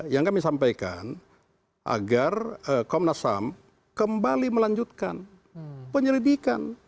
yang kami sampaikan agar komnas ham kembali melanjutkan penyelidikan